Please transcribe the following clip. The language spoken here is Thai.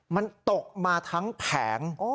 มันตกมาทั้งแผง